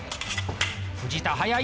藤田速い！